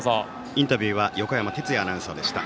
インタビューは横山哲也アナウンサーでした。